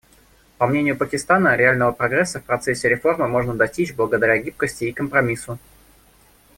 По мнению Пакистана, реального прогресса в процессе реформы можно достичь благодаря гибкости и компромиссу.